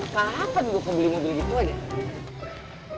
kapan gue kebeli mobil gitu adek